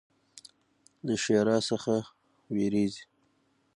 له ښرا څخه ویریږي.